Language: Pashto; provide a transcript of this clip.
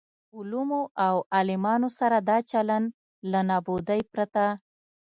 علومو او عالمانو سره دا چلن له نابودۍ پرته.